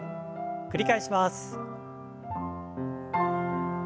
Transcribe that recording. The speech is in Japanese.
繰り返します。